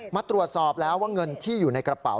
มาตรวจสอบแล้วว่าเงินที่อยู่ในกระเป๋า